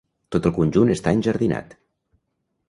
Tot el conjunt està enjardinat.